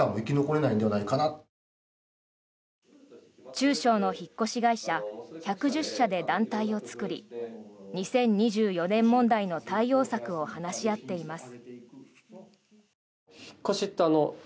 中小の引っ越し会社１１０社で団体を作り２０２４年問題の対応策を話し合っています。